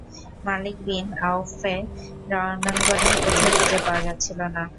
মালিক bin আওফকে রণাঙ্গনের কোথাও খুঁজে পাওয়া যাচ্ছিল না।